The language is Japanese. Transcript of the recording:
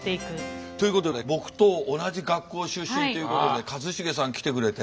ということで僕と同じ学校出身ということで一茂さん来てくれて。